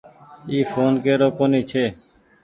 اي ڦون ڪيرو ڪونيٚ ڇي۔